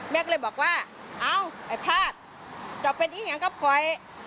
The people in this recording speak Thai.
แม่ก็เลยบอกว่าเอ้าไอ้พาสจะเป็นอี้อย่างกับขวัย